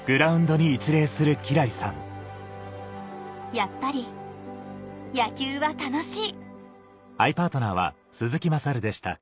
やっぱり野球は楽しい！